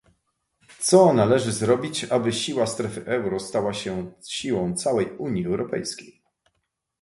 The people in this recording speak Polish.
Co należy zrobić, aby siła strefy euro stała się siłą całej Unii Europejskiej?